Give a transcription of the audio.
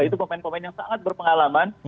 itu pemain pemain yang sangat berpengalaman